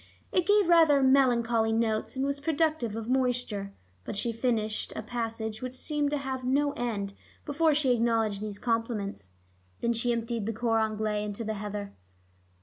It gave rather melancholy notes, and was productive of moisture. But she finished a passage which seemed to have no end, before she acknowledged these compliments. Then she emptied the cor anglais into the heather.